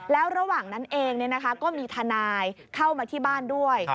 แล้วระหว่างนั้นเองก็มีทนายเข้ามาที่บ้านด้วย